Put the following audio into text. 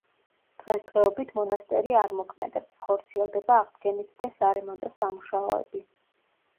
დღესდღეობით მონასტერი არ მოქმედებს; ხორციელდება აღდგენითი და სარემონტო სამუშაოები.